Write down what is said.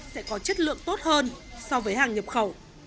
sẽ có chất lượng tốt hơn so với hàng nhập khẩu